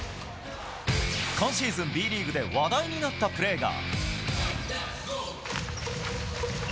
今シーズン、Ｂリーグで話題になったプレーが。